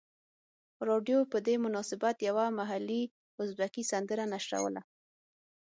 رادیو په دې مناسبت یوه محلي ازبکي سندره نشروله.